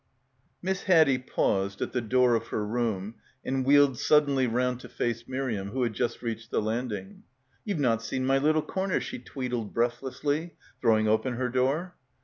4 Miss Haddie paused at the door of her room and wheeled suddenly round to face Miriam who had just reached the landing. "You've not seen my little corner," she twee died breathlessly, throwing open her door.